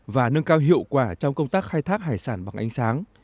và nâng cao hiệu quả trong công tác khai thác hải sản bằng ánh sáng